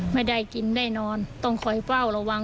ไม่ได้กินได้นอนต้องคอยเฝ้าระวัง